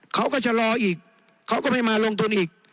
เขาก็จะรออีกเขาก็ไม่มาลงทุนอีก